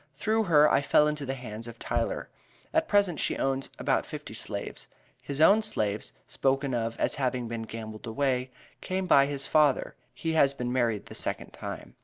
Through her I fell into the hands of Tyler. At present she owns about fifty slaves. His own slaves, spoken of as having been gambled away, came by his father he has been married the second time."